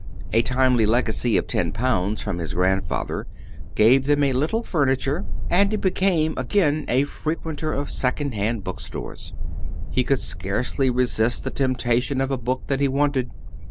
A timely legacy of ten pounds from his grandfather gave them a little furniture, and he became again a frequenter of second hand bookstores. He could scarcely resist the temptation of a book that he wanted.